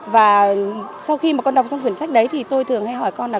và sau khi mà con đọc trong quyển sách đấy thì tôi thường hay hỏi con là